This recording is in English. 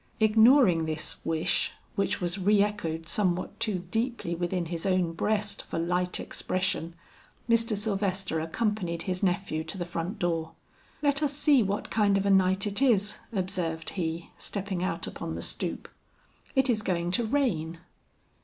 Ignoring this wish which was re echoed somewhat too deeply within his own breast for light expression, Mr. Sylvester accompanied his nephew to the front door. "Let us see what kind of a night it is," observed he, stepping out upon the stoop. "It is going to rain."